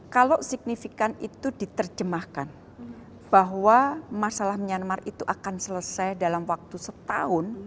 kalau signifikan itu diterjemahkan bahwa masalah myanmar itu akan selesai dalam waktu setahun